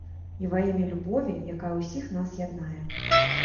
І ва імя любові, якая ўсіх нас яднае.